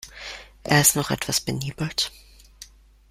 Er ist noch etwas benebelt.